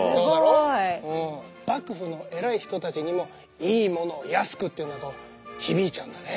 すごい！幕府の偉い人たちにも「いいものを安く」というのは響いちゃうんだね！